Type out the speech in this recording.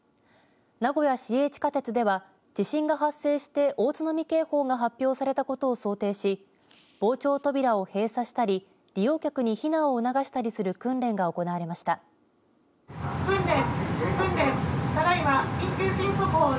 名古屋市営地下鉄では地震が発生して大津波警報が発表されたことを想定し防潮扉を閉鎖したり利用客に避難を促したりする訓練が行われました。